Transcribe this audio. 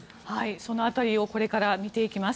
その辺りをこれから見ていきます。